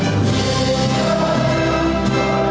hidup istana yang baik